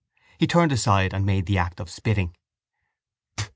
He turned aside and made the act of spitting.